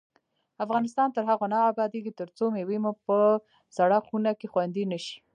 افغانستان تر هغو نه ابادیږي، ترڅو مېوې مو په سړه خونه کې خوندي نشي.